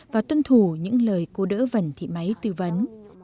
và tuân thủ những lời cô đỡ vần thị máy tư vấn